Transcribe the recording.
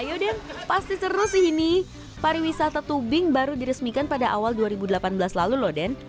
objek wisata tubing baru diresmikan pada awal dua ribu delapan belas lalu lho den